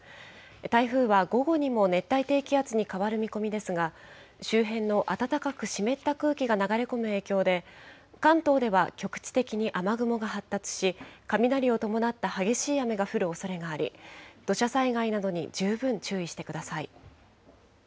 台風は午後にも熱帯低気圧に変わる見込みですが、周辺の暖かく湿った空気が流れ込む影響で、関東では局地的に雨雲が発達し、雷を伴った激しい雨が降るおそれがあり、土砂災害などに十分注意してください。